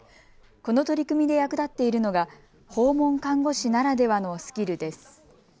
この取り組みで役立っているのが訪問看護師ならではのスキルです。